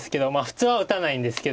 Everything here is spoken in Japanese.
普通は打たないんですけど。